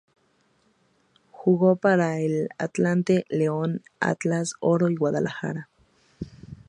Jugó para el Atlante, León, Atlas, Oro y Guadalajara.